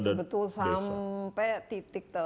betul sampai titik